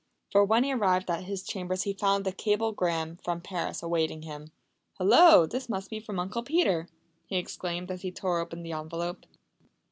For when he arrived at his chambers he found a cablegram from Paris awaiting him. "Hullo, this must be from Uncle Peter!" he exclaimed, as he tore open the envelope.